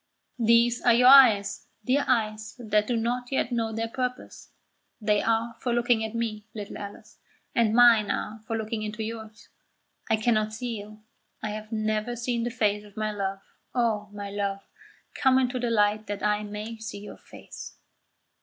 These are your eyes, dear eyes that do not yet know their purpose; they are for looking at me, little Alice, and mine are for looking into yours. I cannot see you; I have never seen the face of my love oh, my love, come into the light that I may see your face."